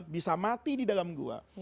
bisa mati di dalam gua